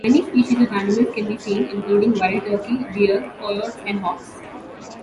Many species of animals can be seen, including wild turkey, deer, coyotes and hawks.